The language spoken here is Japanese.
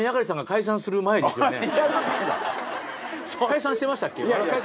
解散してましたっけ！？